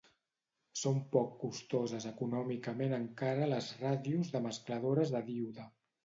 Són poc costoses econòmicament encara les ràdios de mescladores de díode.